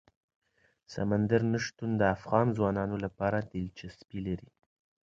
سمندر نه شتون د افغان ځوانانو لپاره دلچسپي لري.